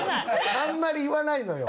あんまり言わないのよ。